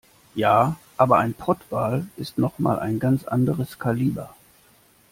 Ja, aber ein Pottwal ist noch mal ein ganz anderes Kaliber.